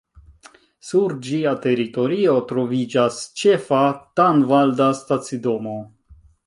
Sur ĝia teritorio troviĝas ĉefa tanvalda stacidomo.